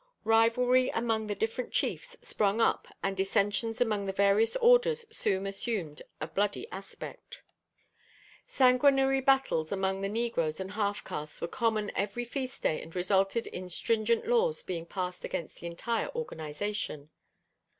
Rivalry among the different chiefs sprung up and dissensions among the various orders soon assumed a bloody aspect. Sanguinary battles among the negros and half castes were common every feast day and resulted in stringent laws being passed against the entire organization.